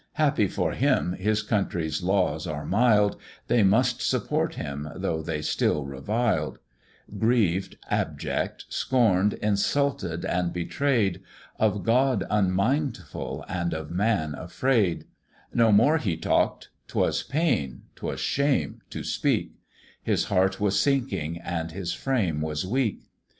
Happy for him his country's laws are mild, They must support him, though they still reviled; Grieved, abject, scorn'd, insulted, and betray'd, Of God unmindful, and of man afraid, No more he talk'd; 'twas pain, 'twas shame to speak, His heart was sinking, and his frame was weak.